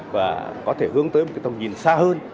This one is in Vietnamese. và có thể hướng tới một cái tầm nhìn xa hơn